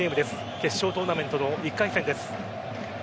決勝トーナメントの１回戦です。